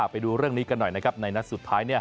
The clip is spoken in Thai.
ไปดูเรื่องนี้กันหน่อยนะครับในนัดสุดท้าย